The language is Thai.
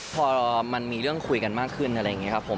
พอมันมีเรื่องคุยกันมากขึ้นอะไรอย่างนี้ครับผม